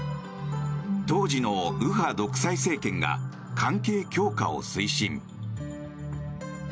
当時の右派独裁政権が関係強化を推進。